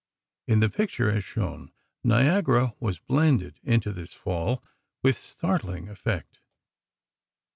In the picture, as shown, Niagara was blended into this fall, with startling effect.